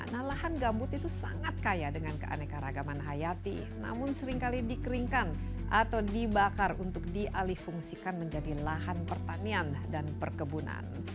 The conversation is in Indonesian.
nah lahan gambut itu sangat kaya dengan keanekaragaman hayati namun seringkali dikeringkan atau dibakar untuk dialih fungsikan menjadi lahan pertanian dan perkebunan